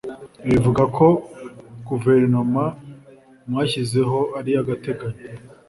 Ibi bivuga ko guverinoma mwashyizeho ari iy’agateganyo